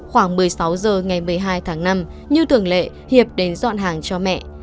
khoảng một mươi sáu h ngày một mươi hai tháng năm như thường lệ hiệp đến dọn hàng cho mẹ